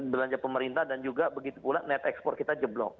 belanja pemerintah dan juga begitu pula net ekspor kita jeblok